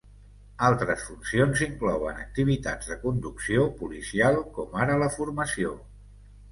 Altres funcions inclouen activitats de conducció policial, com ara la formació.